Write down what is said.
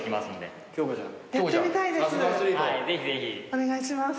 お願いします。